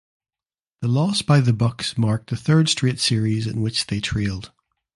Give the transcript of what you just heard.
The loss by the Bucks marked the third straight series in which they trailed.